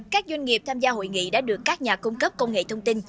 các doanh nghiệp tham gia hội nghị đã được các nhà cung cấp công nghệ thông tin